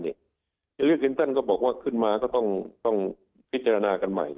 จะเลือกแอนเติลก็บอกว่าขึ้นมาก็ต้องพิจารณากันใหม่